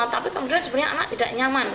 tapi kemudian sebenarnya anak tidak nyaman